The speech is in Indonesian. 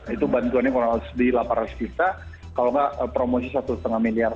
itu bantuannya kalau di delapan ratus pisa kalau nggak promosi satu lima miliar